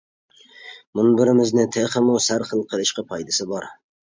مۇنبىرىمىزنى تېخىمۇ سەرخىل قىلىشقا پايدىسى بار!